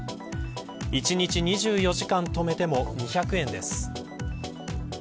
一日２４時間止めても２００円です。